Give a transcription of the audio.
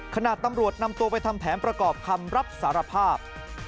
ขณะตำรวจนำตัวไปทำแผนประกอบคำรับสารภาพ